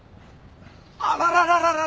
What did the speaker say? あららららららら